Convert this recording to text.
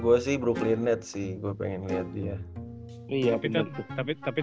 gue sih brooklyn net sih gue pengen liat dia